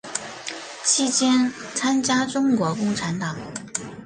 期间参加中国共产党。